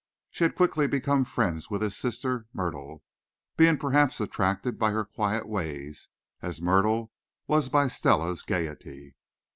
She had quickly become friends with his sister Myrtle, being perhaps attracted by her quiet ways, as Myrtle was by Stella's gaiety.